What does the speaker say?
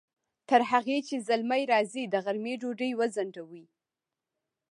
تر هغې چې زلمی راځي، د غرمې ډوډۍ وځڼډوئ!